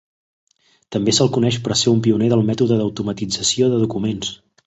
També se'l coneix per ser un pioner del mètode d'automatització de documents.